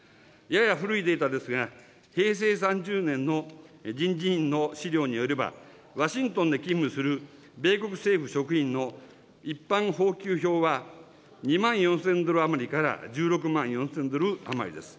やや古いデータですが、平成３０年の人事院の資料によれば、ワシントンで勤務する米国政府職員の一般俸給表は、２万４０００ドル余りから１６万４０００ドル余りです。